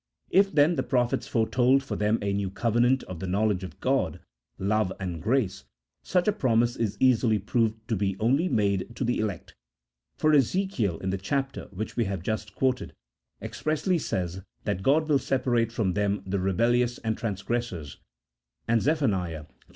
If, then, the prophets foretold for them a new covenant of the knowledge of God, love, and grace, such a promise is easily proved to be only made to the elect, for Ezekiel in the chapter which we have just quoted expressly says that God will separate from them the rebel lious and transgressors, and Zephaniah (iii.